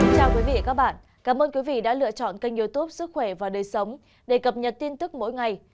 chào quý vị và các bạn cảm ơn quý vị đã lựa chọn kênh youtube sức khỏe và đời sống để cập nhật tin tức mỗi ngày